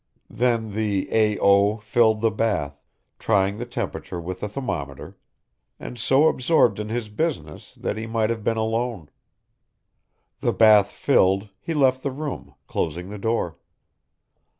Then the A. O. filled the bath, trying the temperature with a thermometer, and so absorbed in his business that he might have been alone. The bath filled, he left the room, closing the door.